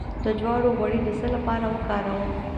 د جوارو غوړي د څه لپاره وکاروم؟